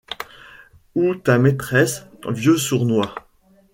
Ou ta maîtresse, vieux sournois.